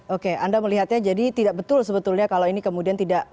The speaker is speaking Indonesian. oke anda melihatnya jadi tidak betul sebetulnya kalau ini kemudian tidak